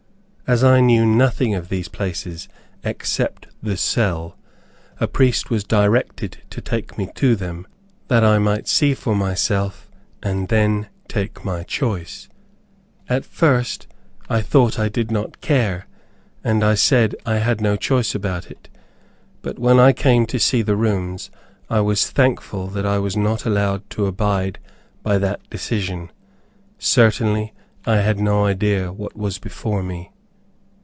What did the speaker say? As I knew nothing of these places except the cell, a priest was directed to take me to them, that I might see for myself, and then take my choice. At first, I thought I did not care, and I said I had no choice about it; but when I came to see the rooms, I was thankful that I was not allowed to abide by that decision. Certainly, I had no idea what was before me.